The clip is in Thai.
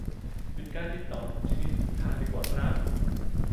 หยุดการติดต่อทุกชนิดทุกทางดีกว่าครับ